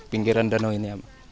pinggiran danau ini